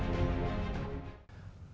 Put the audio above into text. thủ đoạn không mới